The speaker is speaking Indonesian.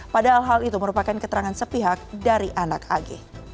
padahal hal itu merupakan keterangan sepihak dari anak ag